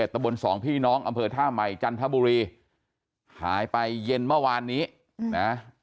ตะบนสองพี่น้องอำเภอท่าใหม่จันทบุรีหายไปเย็นเมื่อวานนี้นะ